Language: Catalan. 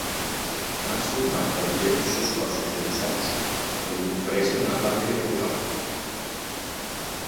Mas format per diversos cossos adossats que li confereixen una planta irregular.